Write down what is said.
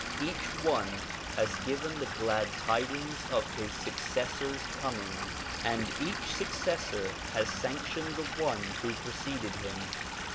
Each one has given the glad tidings of his successor's coming and each successor has sanctioned the one who preceded him.